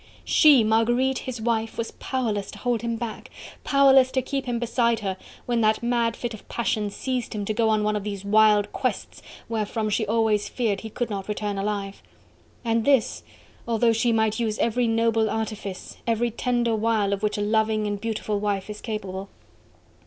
she! Marguerite, his wife, was powerless to hold him back! powerless to keep him beside her, when that mad fit of passion seized him to go on one of those wild quests, wherefrom she always feared he could not return alive: and this, although she might use every noble artifice, every tender wile of which a loving and beautiful wife is capable.